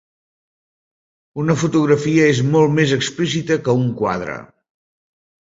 Una fotografia és molt més explícita que un quadre.